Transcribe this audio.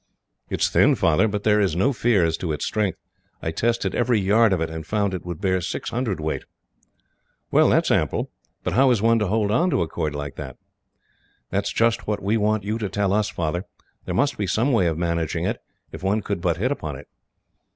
"It is thin, Father, but there is no fear as to its strength. I tested every yard of it, and found it would bear six hundred weight." "Well, that is ample; but how is one to hold on to a cord like that?" "That is just what we want you to tell us, Father. There must be some way of managing it, if one could but hit upon it."